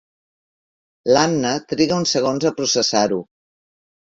L'Anna triga uns segons a processar-ho.